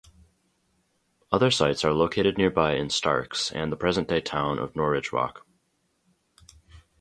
Other sites are located nearby in Starks and the present-day town of Norridgewock.